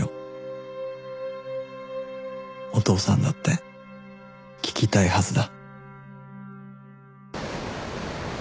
お父さんだって聞きたいはずだ